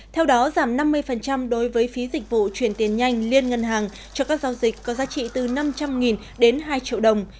theo đó giảm năm mươi đối với phí dịch vụ chuyển tiền nhanh liên ngân hàng cho các giao dịch có giá trị từ năm trăm linh đến hai triệu đồng